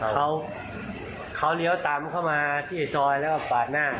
เขาเขาเลี้ยวตามเข้ามาที่ซอยแล้วก็ปาดหน้า